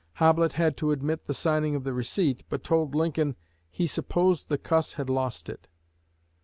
Hoblit had to admit the signing of the receipt, but told Lincoln he "supposed the cuss had lost it."